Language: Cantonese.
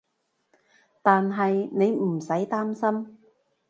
但係你唔使擔心